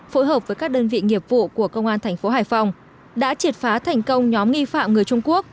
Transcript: phối hợp với các đơn vị nghiệp vụ của công an thành phố hải phòng đã triệt phá thành công nhóm nghi phạm người trung quốc